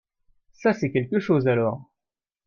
Ça c'est quelque choses alors.